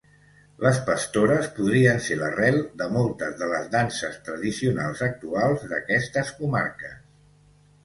Les pastores podrien ser l'arrel de moltes de les danses tradicionals actuals d'aquestes comarques.